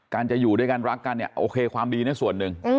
การจะอยู่ด้วยกันรักกันความดีน่ะส่วนหนึ่ง